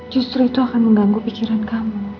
justru itu akan mengganggu pikiran kamu